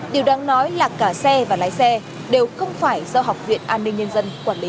điều đáng nói là cả xe và lái xe đều không phải do học viện an ninh nhân dân quản lý